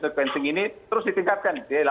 sequencing ini terus ditingkatkan